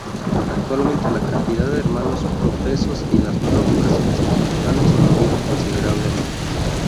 Actualmente, la cantidad de hermanos profesos y las nuevas vocaciones han disminuido considerablemente.